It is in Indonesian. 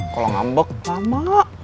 kalau ngambek lama